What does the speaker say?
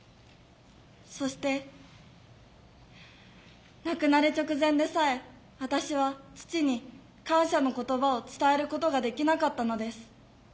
そして亡くなる直前でさえ私は父に感謝の言葉を伝えることができなかったのです。